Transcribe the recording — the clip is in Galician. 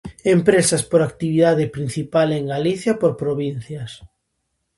Empresas por actividade principal en Galicia por provincias.